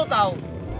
itu lo tau